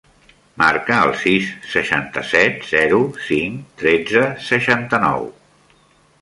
Marca el sis, seixanta-set, zero, cinc, tretze, seixanta-nou.